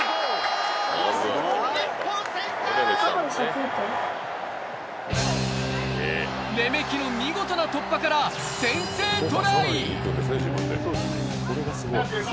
日本レメキの見事な突破から、先制トライ！